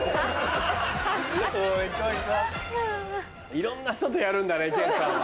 いろんな人とやるんだね健さんは。